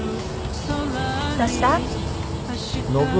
どうした？